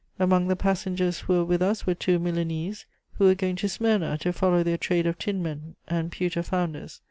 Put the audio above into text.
Among the passengers who were with us were two Milanese, who were going to Smyrna to follow their trade of tinmen and pewter founders.